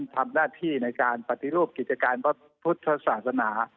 ทำหน้าที่ในการปฏิรูปกิจการพระพุทธศาสนา